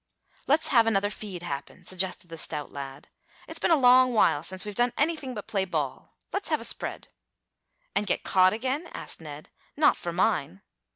"Let's have another feed happen," suggested the stout lad. "It's been a long while since we've done anything but play ball. Let's have a spread." "And get caught again?" asked Ned. "Not for mine!"